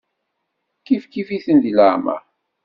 Kifkif-iten di leɛmeṛ.